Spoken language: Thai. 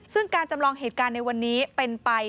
ซึ่งการจำลองเหตุการณ์ในวันนี้เป็นไป